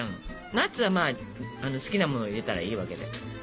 ナッツは好きなものを入れたらいいわけで。